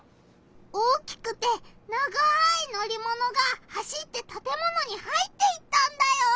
大きくて長い乗りものが走ってたてものに入っていったんだよ！